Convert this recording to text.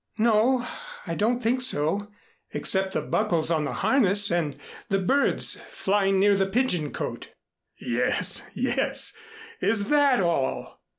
"No, I don't think so except the buckles on the harness and the birds flying near the pigeon cote." "Yes yes is that all?"